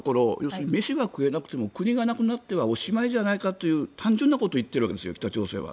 要するに飯が食えなくても国がなくなってはおしまいじゃないかという単純なことを北朝鮮は言っているわけですよ。